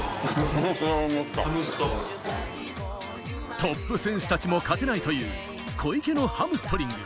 トップ選手たちも勝てないという小池のハムストリング。